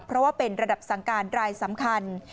เพราะว่าเป็นระดับสั่งการรายสำคัญ